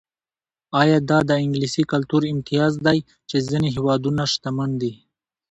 ایا دا د انګلیسي کلتور امتیاز دی چې ځینې هېوادونه شتمن دي.